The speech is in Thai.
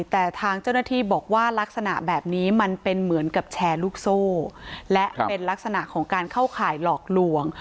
แต่ทางเจ้าหน้าที่บอกว่าลักษณะแบบนี้มันเป็นเหมือนกับแชร์ลูกโซ่และเป็นลักษณะของการเข้าข่ายหลอกลวง